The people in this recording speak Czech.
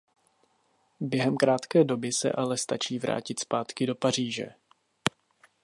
Během krátké doby se ale stačí vrátit zpátky do Paříže.